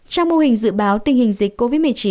trong mô hình dự báo tình hình dịch covid một mươi chín